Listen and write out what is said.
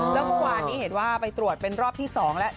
แล้วบุคลานที่เห็นว่าเราไปตรวจให้เป็นรอบที่สองแหละ